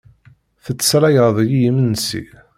Tettsayaleḍ-iyi imensi.